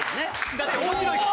だって面白いから。